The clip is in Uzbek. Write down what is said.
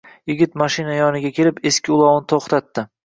Yigit mashina yoniga kelib, eski ulovini toʻxtatdi